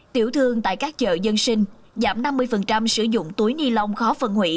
tiểu thương tại các chợ dân sinh giảm năm mươi sử dụng túi ni lông khó phân hủy